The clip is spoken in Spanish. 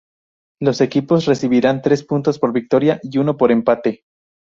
Los equipos recibirán tres puntos por victoria y uno por empate.